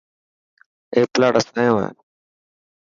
اي پلاٽ اسانيو هي.